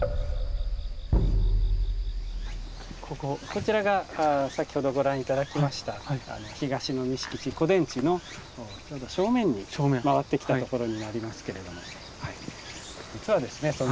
こちらが先ほどご覧頂きました東の御敷地古殿地のちょうど正面に回ってきたところになりますけれども実はですね